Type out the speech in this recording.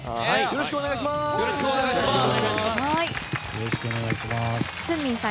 よろしくお願いします！